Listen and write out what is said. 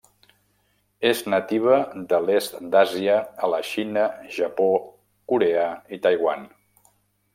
És nativa de l'est d'Àsia a la Xina, Japó, Corea i Taiwan.